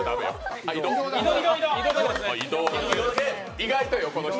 意外とよ、この人。